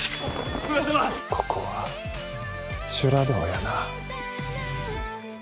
ここは修羅道やな。